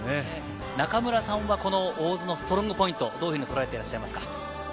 中村さんは大津のストロングポイント、どのようにとらえてらっしゃいますか？